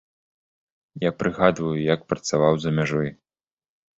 Я прыгадваю, як працаваў за мяжой.